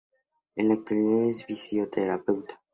En la actualidad es fisioterapeuta.